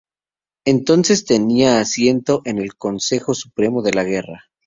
Entonces tenía asiento en el Consejo Supremo de la Guerra.